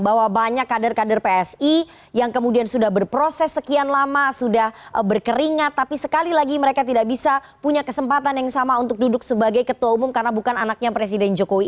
bahwa banyak kader kader psi yang kemudian sudah berproses sekian lama sudah berkeringat tapi sekali lagi mereka tidak bisa punya kesempatan yang sama untuk duduk sebagai ketua umum karena bukan anaknya presiden jokowi